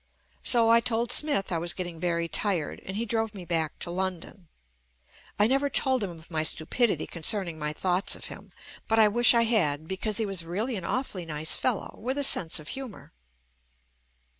So I told Smith I was getting very tired, and he drove me back to London. I never told him of my stupidity concerning my thoughts of him, but I wish I had because he was really an awfully nice fellow with a sense of humour.